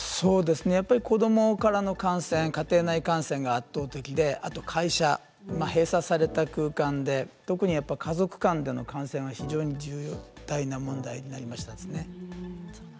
やっぱり子どもからの感染家庭内感染が圧倒的で、あと会社閉鎖された空間で特にやっぱり家族間での感染が非常に重大な問題になりました。